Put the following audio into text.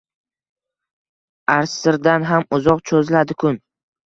asrdan ham uzoq choʼziladi kun